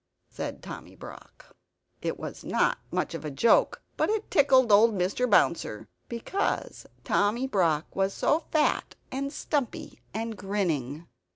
said Tommy Brock. It was not much of a joke, but it tickled old Mr. Bouncer; because Tommy Brock was so fat and stumpy and grinning.